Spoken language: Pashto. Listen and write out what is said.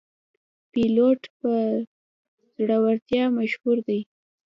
پیلوټ په زړورتیا مشهور دی.